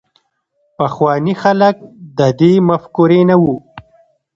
پخواني خلک د دې مفکورې نه وو.